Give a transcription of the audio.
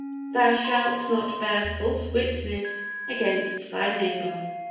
Thou shalt not bear false witness against thy neighbor.